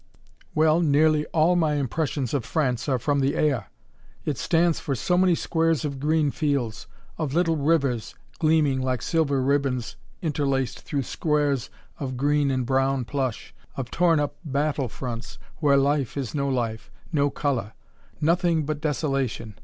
"Well, nearly all of my impressions of France are from the air. It stands for so many squares of green fields, of little rivers gleaming like silver ribbons interlaced through squares of green and brown plush, of torn up battlefronts where there is no life, no color nothing but desolation.